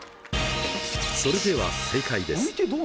それでは正解です。